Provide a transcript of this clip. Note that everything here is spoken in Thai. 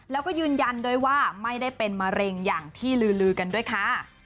แล้วก็ยืนยันด้วยว่าไม่ได้เป็นมะเร็งอย่างที่ลือกันด้วยค่ะ